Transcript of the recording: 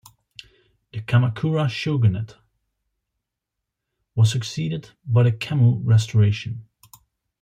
The Kamakura shogunate was succeeded by the Kemmu Restoration.